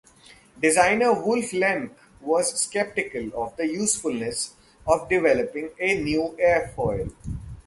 Designer Wolf Lemke was skeptical of the usefulness of developing a new airfoil.